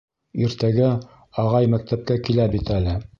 «Иртәгә ағай мәктәпкә килә бит әле».